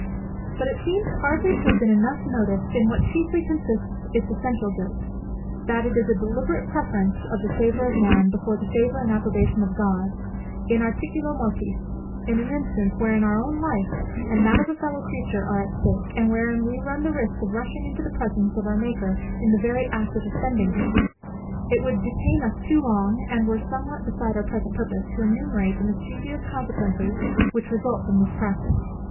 But it seems hardly to have been enough noticed in what chiefly consists its essential guilt; that it is a deliberate preference of the favour of man, before the favour and approbation of God, in articulo mortis, in an instance, wherein our own life, and that of a fellow creature are at stake, and wherein we run the risk of rushing into the presence of our Maker in the very act of offending him. It would detain us too long, and it were somewhat beside our present purpose, to enumerate the mischievous consequences which result from this practice.